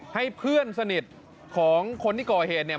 ให้เพื่อนสนิทของคนที่ก่อเหตุเนี่ย